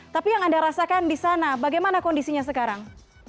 tapi yang anda rasakan di sana bagaimana kondisinya sekarang